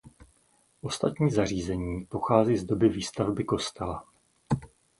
Ostatní zařízení pochází z období výstavby kostela.